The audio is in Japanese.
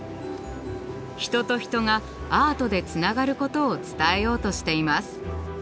人と人がアートでつながることを伝えようとしています。